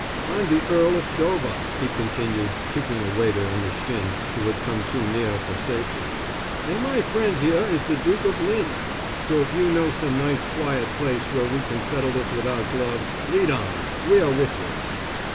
I'm the Earl of Dover," he continued kicking a waiter in the shin who had come too near for safety, "and my friend here is the Duke of Lynn, so if you know some nice quiet place where we can settle this without gloves, lead on, we're with you."